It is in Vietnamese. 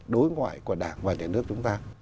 đối ngoại của đảng và nhà nước chúng ta